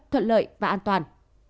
thuận lợi và an toàn